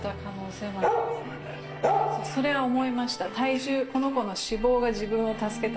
それは思いました体重。